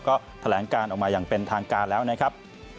ก็แถลงการออกมาอย่างเป็นทางการแล้วนะครับ